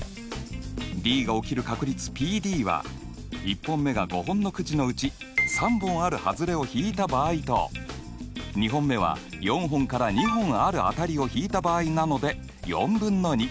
Ｄが起きる確率Ｐは１本目が５本のくじのうち３本あるはずれを引いた場合と２本目は４本から２本ある当たりを引いた場合なので４分の２。